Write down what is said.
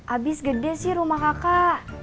abis gede sih rumah kakak